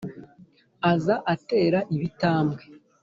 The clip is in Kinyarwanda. aza atera ibitambwe